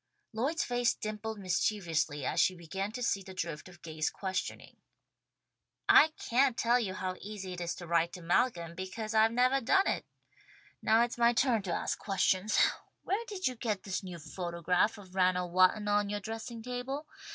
Lloyd's face dimpled mischievously as she began to see the drift of Gay's questioning. "I can't tell you how easy it is to write to Malcolm, because I've nevah done it. Now it's my turn to ask questions. Where did you get this new photograph of Ranald Walton on yoah dressing table?